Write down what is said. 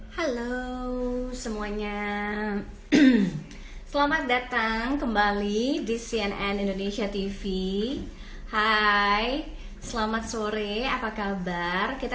halo semuanya selamat datang kembali di cnn indonesia tv hai selamat sore apa kabar kita